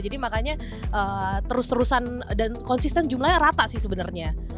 jadi makanya terus terusan dan konsisten jumlahnya rata sih sebenarnya